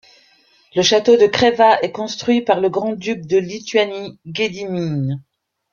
Le château de Kreva est construit par le Grand-Duc de Lituanie, Ghédimin.